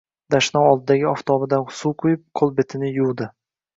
Dashnov oldidagi oftobadan suv quyib, qo`lbetini yuvdi